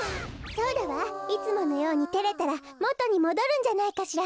そうだわいつものようにてれたらもとにもどるんじゃないかしら？